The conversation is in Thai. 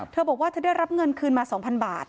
เธอบอกว่าเธอได้รับเงินคืนมา๒๐๐บาท